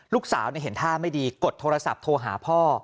ลูกสาวเห็นท่าไม่ดีกดโทรศัพท์โทรหาพ่อ